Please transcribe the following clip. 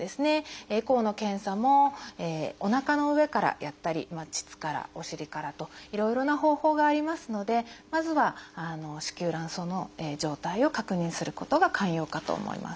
エコーの検査もおなかの上からやったり膣からお尻からといろいろな方法がありますのでまずは子宮卵巣の状態を確認することが肝要かと思います。